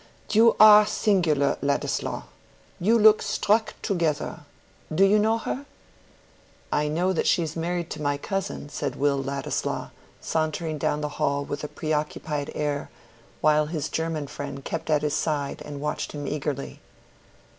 "You are singular, Ladislaw. You look struck together. Do you know her?" "I know that she is married to my cousin," said Will Ladislaw, sauntering down the hall with a preoccupied air, while his German friend kept at his side and watched him eagerly.